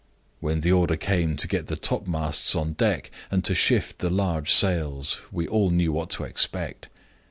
When the order came to get the topmasts on deck, and to shift the large sails, we all knew what to expect.